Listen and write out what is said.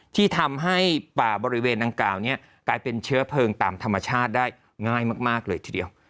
ที่ทำให้ป่าบริเวณดังกล่าวนี้กลายเป็นเชื้อเพลิงตามธรรมชาติได้ง่ายมากเลยทีเดียว